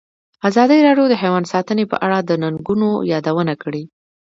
ازادي راډیو د حیوان ساتنه په اړه د ننګونو یادونه کړې.